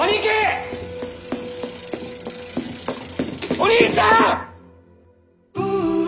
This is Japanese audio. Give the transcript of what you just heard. お兄ちゃん！